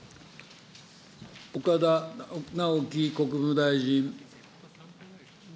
岡田直樹国務大臣。